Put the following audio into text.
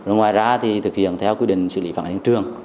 ngoài ra thực hiện theo quy định xử lý phản ánh trường